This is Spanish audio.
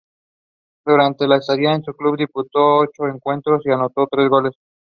Durante su estadía en el club disputó ocho encuentros y anotó tres goles.